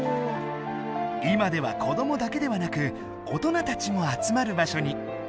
今ではこどもだけではなく大人たちも集まる場所に。